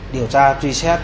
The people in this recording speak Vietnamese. điều tra truy xét